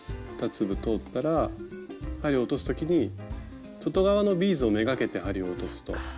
２粒通ったら針落とす時に外側のビーズを目がけて針を落とすと。